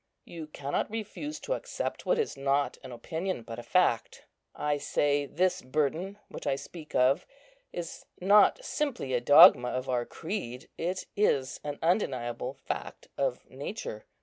You cannot refuse to accept what is not an opinion, but a fact. I say this burden which I speak of is not simply a dogma of our creed, it is an undeniable fact of nature.